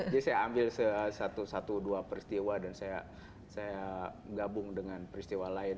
jadi saya ambil satu dua peristiwa dan saya gabung dengan peristiwa lain